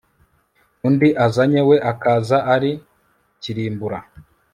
undi azanye we akaza ari kirimbura